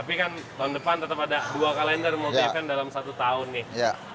tapi kan tahun depan tetap ada dua kalender multi event dalam satu tahun nih